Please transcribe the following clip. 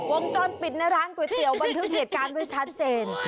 วงจรปิดในร้านก๋วยเตี๋ยวบันทึกเหตุการณ์ไว้ชัดเจน